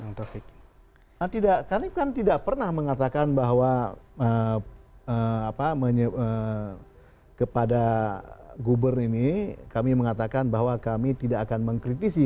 nah kami kan tidak pernah mengatakan bahwa kepada gubernur ini kami mengatakan bahwa kami tidak akan mengkritisi